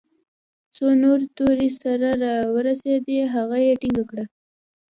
څو نورې تور سرې راورسېدې هغه يې ټينګه كړه.